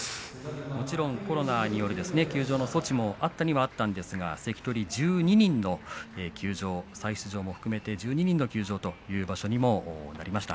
もちろんコロナによる休場の措置もあったにはあったんですが関取１２人の休場再出場も含めて１２人の休場という場所にもなりました。